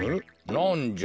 なんじゃ？